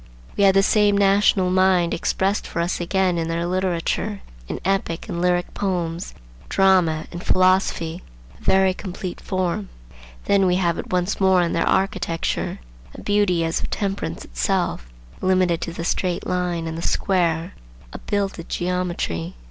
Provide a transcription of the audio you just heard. We have the same national mind expressed for us again in their literature, in epic and lyric poems, drama, and philosophy; a very complete form. Then we have it once more in their architecture, a beauty as of temperance itself, limited to the straight line and the square,—a builded geometry.